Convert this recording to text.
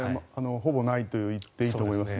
ほぼないと言っていいと思います。